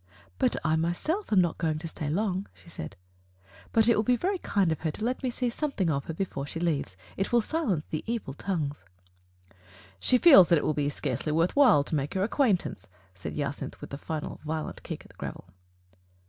"But I myself am not going to stay long," she said. But it will be very kind of her to let me see something of her before she leaves. It will silence the evil tongues." "She feels that it will be scarcely worth while to make your acquaintance," said Jacynth, with a final violent kick at the gravel.